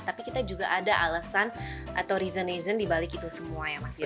tapi kita juga ada alasan atau reasonism dibalik itu semua ya mas ya